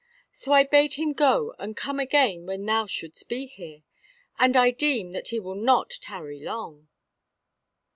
So I bade him go and come again when thou shouldst be here. And I deem that he will not tarry long."